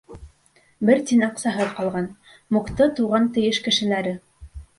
Бер тин аҡсаһыҙ ҡалған Мукты туған тейеш кешеләре: